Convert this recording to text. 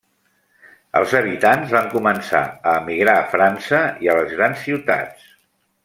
Els habitants van començar a emigrar a França i a les grans ciutats.